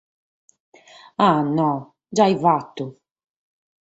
A no, giai fatu!